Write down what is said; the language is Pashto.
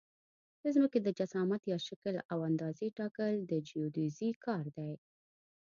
د ځمکې د جسامت یا شکل او اندازې ټاکل د جیودیزي کار دی